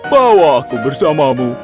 bawa aku bersamamu